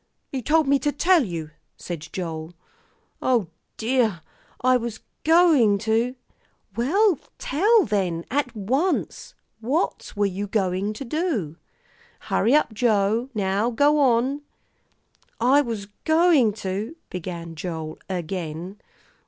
"You told me to tell you," said Joel. "O dear! I was going to " "Well, tell then, at once; what were you going to do? Hurry up, Joe; now go on." "I was going to " began Joel again.